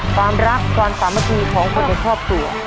ความรักความสามัคคีของคนในครอบครัว